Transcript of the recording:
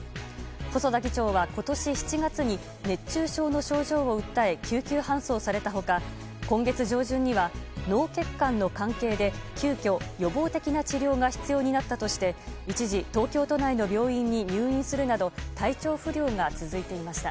細田議長は今年７月に熱中症の症状を訴え救急搬送された他、今月上旬には脳血管の関係で急きょ予防的な治療が必要になったとして一時、東京都内の病院に入院するなど体調不良が続いていました。